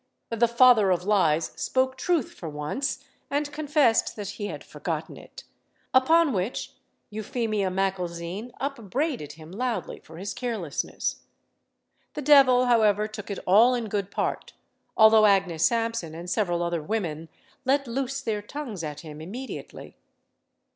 "The father of lies" spoke truth for once, and confessed that he had forgotten it; upon which Euphemia Macalzean upbraided him loudly for his carelessness. The devil, however, took it all in good part, although Agnes Sampson and several other women let loose their tongues at him immediately.